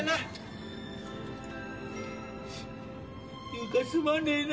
優香すまねえな。